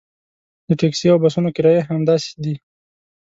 د ټکسي او بسونو کرایې هم همداسې دي.